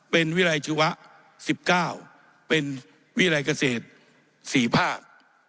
เป็นวิรัยชีวะ๑๙เป็นวิรัยเกษตร๔ภาค